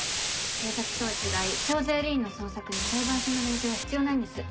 警察とは違い徴税吏員の捜索に裁判所の令状は必要ないんです。